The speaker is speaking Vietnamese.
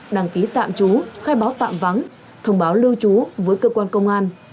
đăng ký tạm chú khai báo tạm vắng thông báo lưu chú với cơ quan công an